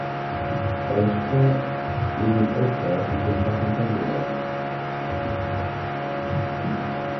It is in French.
Elles font une hauteur d'une quarantaine de mètres.